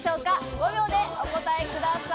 ５秒でお答えください。